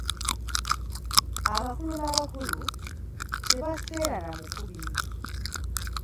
Abakulu n’abakulu, tebaseerana mukubi.